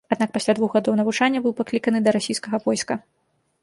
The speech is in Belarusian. Аднак пасля двух гадоў навучання быў пакліканы да расійскага войска.